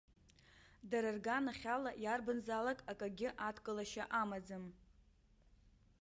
Дара рганахьала иарбанзалак акагьы адкылашьа амаӡам.